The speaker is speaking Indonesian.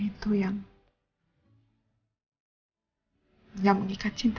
jadi apa bengkak akan terhadapku hierarchy